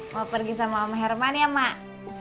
mau pergi sama om herman ya mak